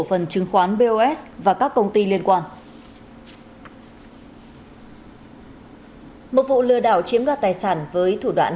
phần chứng khoán bos và các công ty liên quan một vụ lừa đảo chiếm đoạt tài sản với thủ đoạn